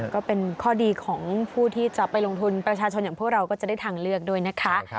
ก็เป็นข้อดีของผู้ที่จะไปลงทุนประชาชนอย่างพวกเราก็จะได้ทางเลือกด้วยนะคะ